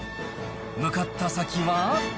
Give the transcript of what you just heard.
向かった先は。